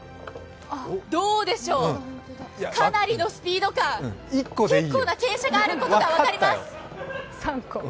どうでしょう、かなりのスピード感、結構な傾斜があることが分かります。